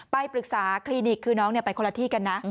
ไปปรึกษาคลินิกคือน้องไปคนละที่กันนะ